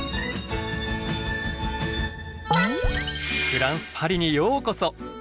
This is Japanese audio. フランスパリにようこそ。